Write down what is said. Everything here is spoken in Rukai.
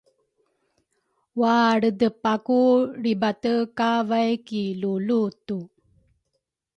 walredepaku lribate kavay ki lulutu.